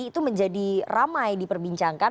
itu menjadi ramai diperbincangkan